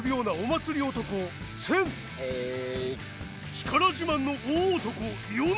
力自慢の大男ヨネ。